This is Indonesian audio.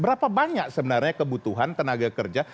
berapa banyak sebenarnya kebutuhan tenaga kerja